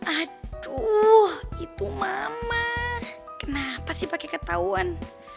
aduh itu mama kenapa sih pakai ketahuan